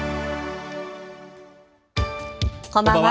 こんばんは。